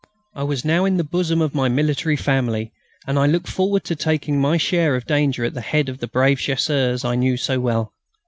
I was now in the bosom of my military family, and I looked forward to taking my share of danger at the head of the brave Chasseurs I knew so well.